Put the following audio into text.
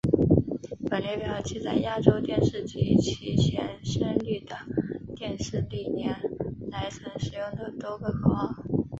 本列表记载亚洲电视及其前身丽的电视历年来曾使用的多个口号。